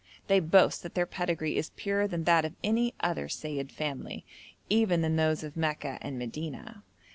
They boast that their pedigree is purer than that of any other Seyyid family, even than those of Mecca and Medina.